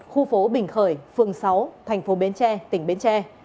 khu phố bình khởi phường sáu tp bến tre tỉnh bến tre